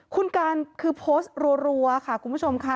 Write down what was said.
คุณการคือโพสต์รัวค่ะคุณผู้ชมค่ะ